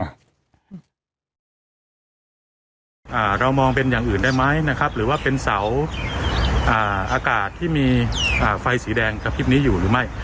เรามองว่าเรามองเป็นอย่างอื่นได้ไหมนะครับหรือว่าเป็นเสาอากาศที่มีไฟสีแดงกระพริบนี้อยู่หรือไม่